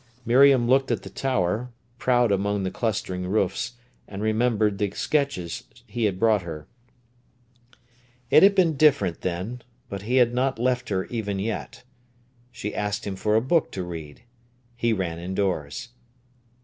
Miriam looked at the tower, proud among the clustering roofs, and remembered the sketches he had brought her. It had been different then, but he had not left her even yet. She asked him for a book to read. He ran indoors.